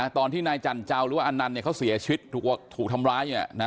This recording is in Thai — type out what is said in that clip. ตอนที่นายจันเจ้าหรือว่าอันนันต์เขาเสียชีวิตถูกทำร้าย